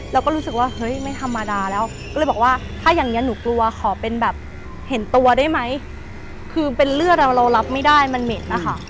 เราก็รู้สึกว่าเฮ้ยไม่ธรรมดาแล้วก็เลยบอกว่าถ้าอย่างนี้หนูกลัวขอเป็นแบบเห็นตัวได้ไหมคือเป็นเลือดอ่ะเรารับไม่ได้มันเหม็นนะคะ